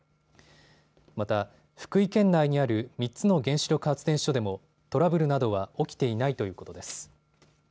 また、福井県内にある３つの原子力発電所でもトラブルなどは起きていないということです。